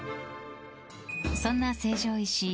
そんな成城石井